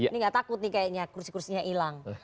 ini gak takut nih kayaknya kursi kursinya hilang